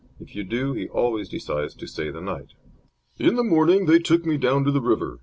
If you do, he always decides to stay the night. "In the morning they took me down to the river.